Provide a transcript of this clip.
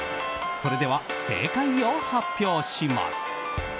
それでは、正解を発表します。